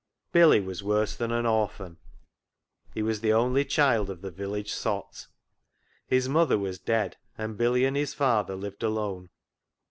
Billy was worse than an orphan. He was the only child of the village sot. His mother was dead, and Billy and his father lived alone.